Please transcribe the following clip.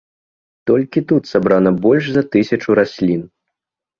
Толькі тут сабрана больш за тысячу раслін!